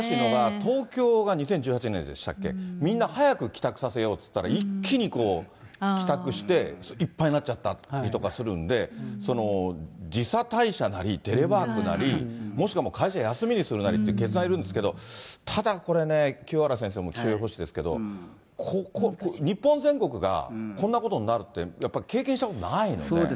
東京が２０１８年でしたっけ、みんな早く帰宅させようっていったら、一気に帰宅して、いっぱいになっちゃったりとかするんで、時差退社なり、テレワークなり、もしくはもう会社休みにするなり、決断いるんですけれども、ただこれね、清原先生も気象予報士ですけど、日本全国がこんなことになるって、やっぱり経験したことないので。